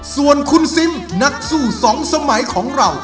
ส่วนคุณซิมนักสู้สองสมัยของเรา